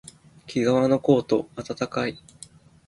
けがわのコート、あたたかい